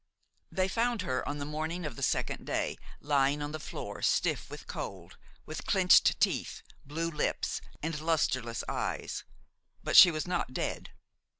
They found her on the morning of the second day, lying on the floor, stiff with cold, with clenched teeth, blue lips and lustreless eyes; but she was not dead.